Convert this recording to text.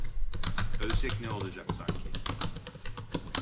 Ölsek ne olacak sanki…